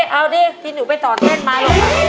เอาดิที่หนูไปสอนเต้นมาลูก